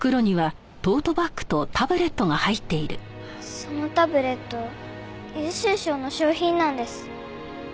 そのタブレット優秀賞の賞品なんです。